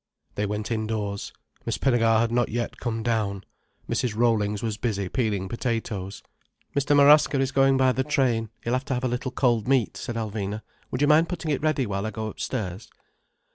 They went indoors. Miss Pinnegar had not yet come down. Mrs. Rollings was busily peeling potatoes. "Mr. Marasca is going by the train, he'll have to have a little cold meat," said Alvina. "Would you mind putting it ready while I go upstairs?"